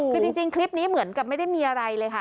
คือจริงคลิปนี้เหมือนกับไม่ได้มีอะไรเลยค่ะ